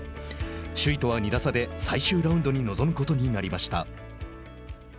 首位とは２打差で最終ラウンドに臨むことになりました。